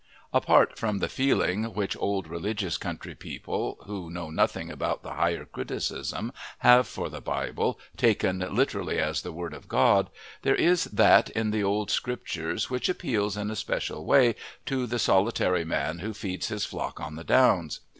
Apart from the feeling which old, religious country people, who know nothing about the Higher Criticism, have for the Bible, taken literally as the Word of God, there is that in the old Scriptures which appeals in a special way to the solitary man who feeds his flock on the downs.